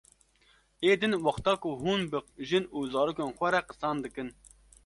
Ê din wexta ku hûn bi jin û zarokên xwe re qisan dikin